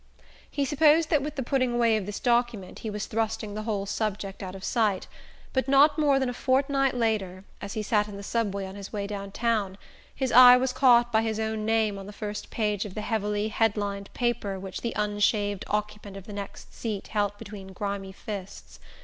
He supposed that with the putting away of this document he was thrusting the whole subject out of sight; but not more than a fortnight later, as he sat in the Subway on his way down town, his eye was caught by his own name on the first page of the heavily head lined paper which the unshaved occupant of the next seat held between grimy fists.